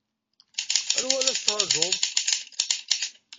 Anwa ay la tettṛajuḍ?